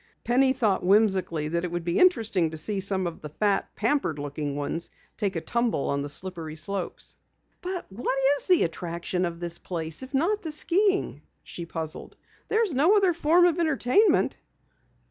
Penny thought whimsically that it would be interesting to see some of the fat, pampered looking ones take a tumble on the slippery slopes. "But what is the attraction of this place, if not the skiing?" she puzzled. "There is no other form of entertainment."